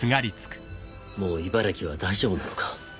もう茨城は大丈夫なのか？